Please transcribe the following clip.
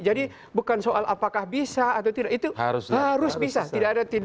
jadi bukan soal apakah bisa atau tidak itu harus bisa